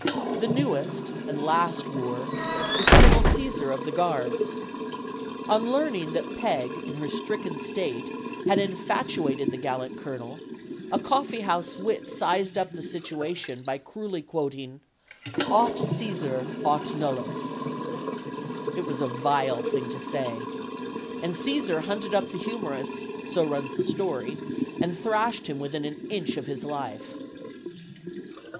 The newest and last wooer was Colonel Caesar, of the Guards. On learning that Peg in her stricken state had infatuated the gallant colonel, a coffeehouse wit sized up the situation by cruelly quoting: "Aut Ccesar, aut nulliw." It was a vile thing to say. And Caesar hunted up the humorist, so runs the story, and thrashed him within an inch of his life.